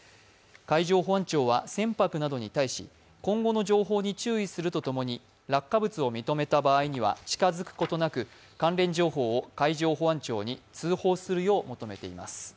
海上保安庁は船舶などに対し、今後の情報に注意すると共に落下物を認めた場合には近づくことなく、関連情報を海上保安庁に通報するよう求めています。